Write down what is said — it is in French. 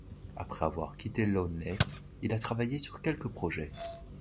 Après avoir quitté Loudness, il a travaillé sur quelque projets...